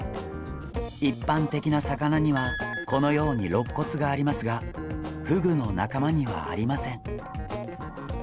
一般的な魚にはこのようにろっ骨がありますがフグの仲間にはありません。